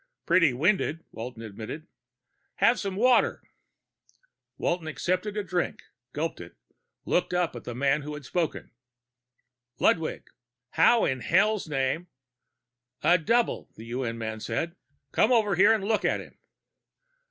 "Pretty winded," Walton admitted. "Have some water." Walton accepted the drink, gulped it, looked up at the man who had spoken. "Ludwig! How in hell's name " "A double," the UN man said. "Come over here and look at him."